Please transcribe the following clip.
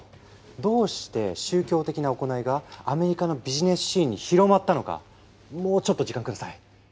どうして宗教的な行いがアメリカのビジネスシーンに広まったのかもうちょっと時間下さい。